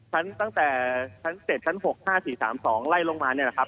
ชั้นตั้งแต่ชั้นเจ็ดชั้นหกห้าสี่สามสองไล่ลงมาเนี่ยนะครับ